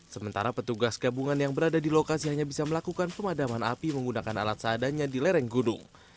sementara petugas gabungan yang berada di lokasi hanya bisa melakukan pemadaman api menggunakan alat seadanya di lereng gunung